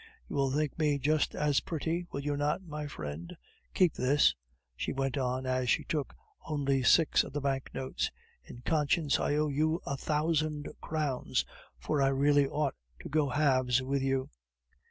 You will think me just as pretty, will you not, my friend? Keep this," she went on, as she took only six of the banknotes. "In conscience I owe you a thousand crowns, for I really ought to go halves with you."